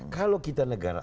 kalau kita negara